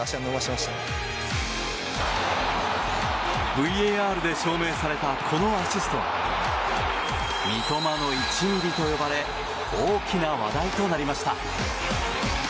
ＶＡＲで証明されたこのアシストは三笘の１ｍｍと呼ばれ大きな話題となりました。